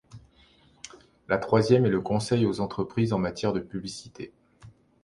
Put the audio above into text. La troisième est le conseil aux entreprises en matière de publicité.